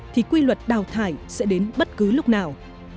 thì quy luật đào thải sẽ đến bất cứ lúc nào